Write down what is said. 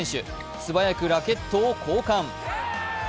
素早くラケットを交換。